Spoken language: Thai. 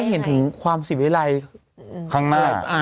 ต้อง๓วาระนะ